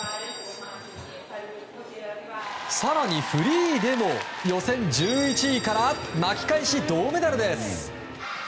更にフリーでも予選１１位から巻き返し銅メダルです！